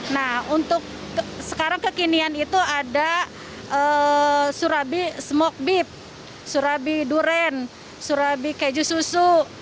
nah untuk sekarang kekinian itu ada surabi smoked beef surabi durian surabi keju susu